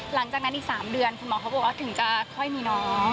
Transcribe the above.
หลังจากนั้นอีก๓เดือนคุณหมอเขาบอกว่าถึงจะค่อยมีน้อง